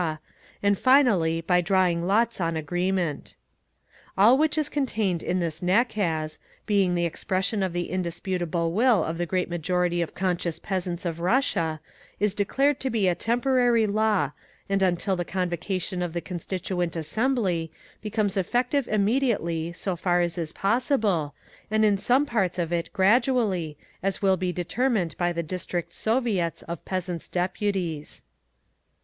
and finally, by drawing lots on agreement. All which is contained in this nakaz, being the expression of the indisputable will of the great majority of conscious peasants of Russia, is declared to be a temporary law, and until the convocation of the Constituent Assembly, becomes effective immediately so far as is possible, and in some parts of it gradually, as will be determined by the District Soviets of Peasants' Deputies.